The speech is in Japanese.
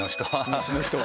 西の人は。